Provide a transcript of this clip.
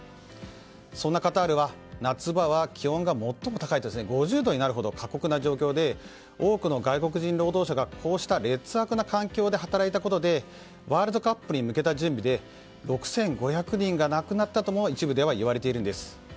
そんなカタールは夏場は気温が最も高いと５０度になるほど過酷な状況で多くの外国人労働者がこうした劣悪な環境で働いたことでワールドカップに向けた準備で６５００人が亡くなったとも一部では言われているんです。